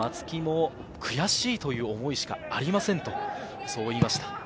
松木も悔しいという思いしかありませんと、そう言いました。